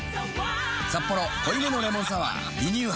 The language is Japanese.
「サッポロ濃いめのレモンサワー」リニューアル